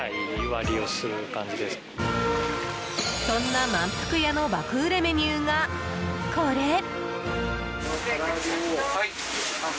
そんな、まんぷくやの爆売れメニューがこれ。